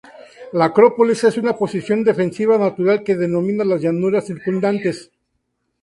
La Acrópolis es una posición defensiva natural que domina las llanuras circundantes.